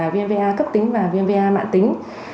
viêm va cấp tính và viêm va mạng tính